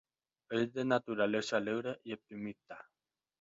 Es de naturaleza alegre y optimista.